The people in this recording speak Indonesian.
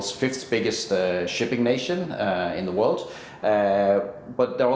untuk tiga atau empat kali lebih banyak orang